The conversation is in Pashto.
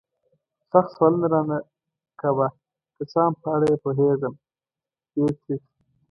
سخت سوالونه را نه کوه. که څه هم په اړه یې پوهېږم، ډېر تریخ.